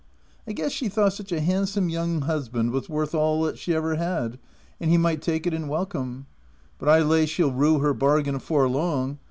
I guess she thought such a handsome young husband was worth all 'at ever she had, and he might take it and wel come ; but I lay she'll rue her bargain 'afore long.